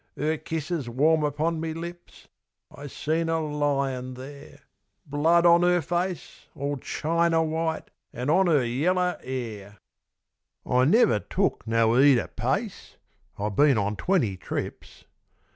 'Er kisses warm upon me lips, I seen 'er lyin' there. Blood on 'er face, all chiner white, An' on 'er yeller 'air. I never took no 'eed o' pace (I've been on twenty trips).